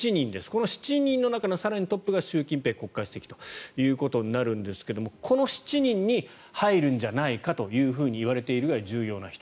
この７人の中の更にトップが習近平国家主席ということになるんですがこの７人に入るんじゃないかといわれているぐらい重要な人。